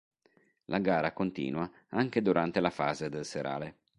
La gara continua anche durante la fase del serale.